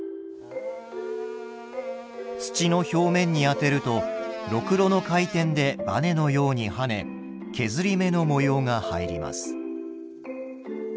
土の表面に当てるとろくろの回転でバネのように跳ね削り目の模様が入ります。